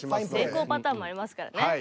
成功パターンもありますからね。